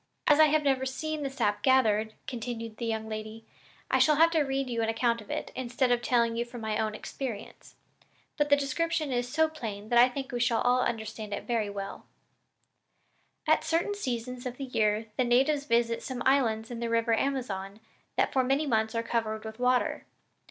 "As I have never seen the sap gathered," continued the young lady, "I shall have to read you an account of it, instead of telling you from my own experience; but the description is so plain that I think we shall all be able to understand it very well: 'At certain seasons of the year the natives visit some islands in the river Amazon that for many months are covered with water.